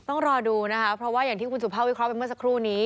ต้องรอดูนะคะเพราะว่าอย่างที่คุณสุภาพวิเคราะห์ไปเมื่อสักครู่นี้